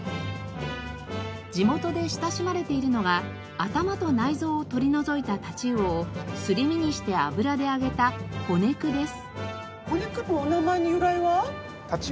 地元で親しまれているのが頭と内臓を取り除いたタチウオをすり身にして油で揚げたほねくです。